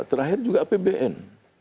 terakhir juga apbn